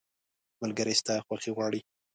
ملګری ستا خوښي غواړي.